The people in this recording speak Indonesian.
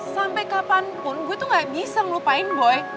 sampai kapanpun gue tuh gak bisa melupain boy